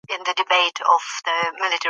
توره او ډال واخله.